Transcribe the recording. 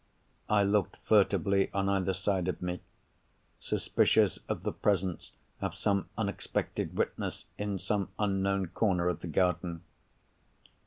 I looked furtively on either side of me; suspicious of the presence of some unexpected witness in some unknown corner of the garden.